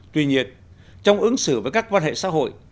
tuy nhiên trong ứng xử với các quan hệ xã hội